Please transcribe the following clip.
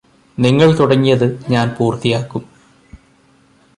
നിങ്ങള് തുടങ്ങിയത് ഞാന് പൂര്ത്തിയാക്കും